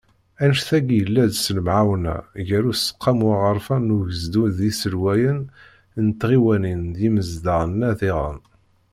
Annect-agi, yella-d s lemɛawna gar Useqqamu Aɣerfan n Ugezdu d yiselwayen n tɣiwanin d yimezdaɣ-nneɣ diɣen.